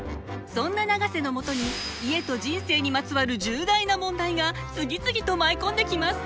そんな永瀬のもとに家と人生にまつわる重大な問題が次々と舞い込んできます。